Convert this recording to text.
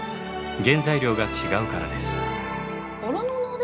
原材料が違うからです。